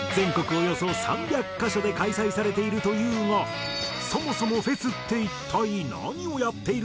およそ３００カ所で開催されているというがそもそもフェスって一体何をやっているの？